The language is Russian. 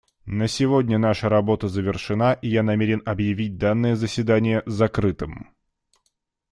На сегодня наша работа завершена, и я намерен объявить данное заседание закрытым.